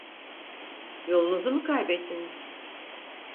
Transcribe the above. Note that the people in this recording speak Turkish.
Yolunuzu mu kaybettiniz?